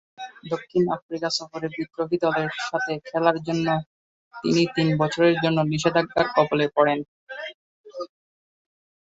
দক্ষিণ আফ্রিকা সফরে বিদ্রোহী দলের সাথে খেলার জন্য তিনি তিন বছরের জন্য নিষেধাজ্ঞার কবলে পড়েন।